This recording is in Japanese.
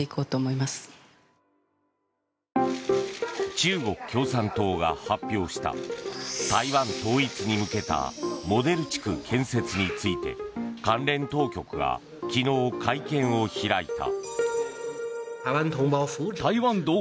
中国共産党が発表した台湾統一に向けたモデル地区建設について関連当局が昨日、会見を開いた。